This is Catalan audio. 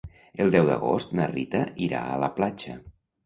El deu d'agost na Rita irà a la platja.